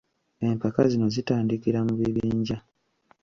Empaka zino zitandikira mu bibinja.